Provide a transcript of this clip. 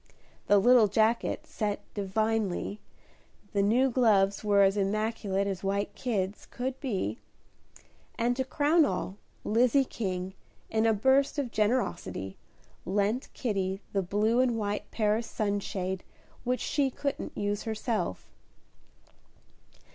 The little jacket set "divinely," the new gloves were as immaculate as white kids could be, and to crown all, Lizzie King, in a burst of generosity, lent Kitty the blue and white Paris sunshade which she couldn't use herself.